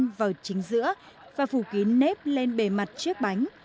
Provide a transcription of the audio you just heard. đâm vào chính giữa và phủ kín nếp lên bề mặt chiếc bánh